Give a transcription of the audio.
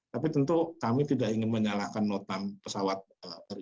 tapi tentu kami tidak ingin menyalahkan notam pesawat ri